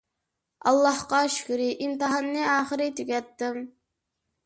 ئاللاھقا شۈكرى. ئىمتىھاننى ئاخىرى تۈگەتتىم.